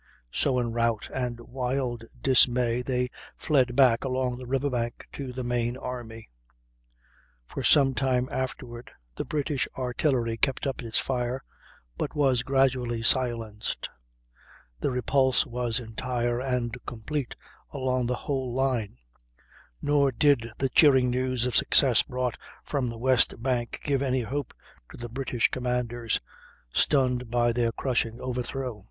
So in rout and wild dismay they fled back along the river bank, to the main army. For some time afterward the British artillery kept up its fire, but was gradually silenced; the repulse was entire and complete along the whole line; nor did the cheering news of success brought from the west bank give any hope to the British commanders, stunned by their crushing overthrow.